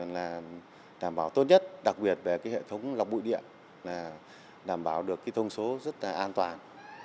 là đảm bảo tốt nhất đặc biệt về hệ thống lọc bụi điện là đảm bảo được thông số rất là an toàn